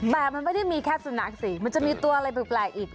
แต่มันไม่ได้มีแค่สุนัขสิมันจะมีตัวอะไรแปลกอีก